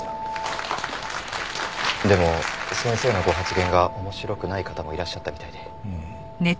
でも先生のご発言が面白くない方もいらっしゃったみたいで。